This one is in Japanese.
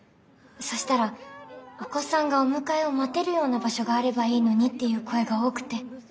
そしたらお子さんがお迎えを待てるような場所があればいいのにっていう声が多くて。